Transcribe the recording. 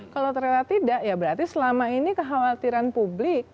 kalau ternyata tidak ya berarti selama ini kekhawatiran publik